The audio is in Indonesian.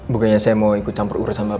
bukannya saya mau ikut campur urusan bapak